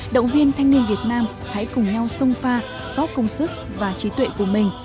động viên thanh niên việt nam hãy cùng nhau sông pha góp công sức và trí tuệ của mình